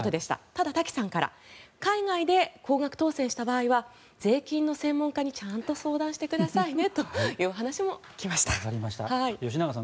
ただ、滝さんから海外で高額当選した場合は税金の専門家にちゃんと相談してくださいねというお話も聞きました。